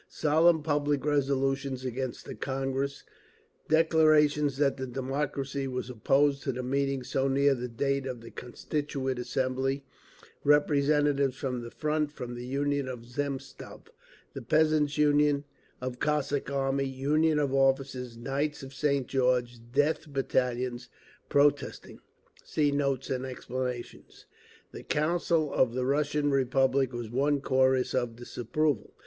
Solemn public resolutions against the Congress, declarations that the democracy was opposed to the meeting so near the date of the Constituent Assembly, representatives from the Front, from the Union of Zemstvos, the Peasants' Union, Union of Cossack Armies, Union of Officers, Knights of St. George, Death Battalions, protesting…. The Council of the Russian Republic was one chorus of disapproval.